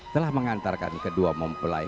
telah mengantarkan kedua mempelai